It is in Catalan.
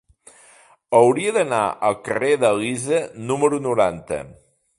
Hauria d'anar al carrer d'Elisa número noranta.